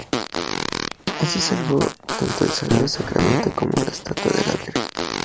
Así salvó tanto el Sagrado Sacramento como la estatua de la Virgen.